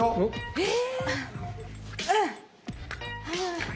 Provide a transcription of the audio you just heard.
えっ！？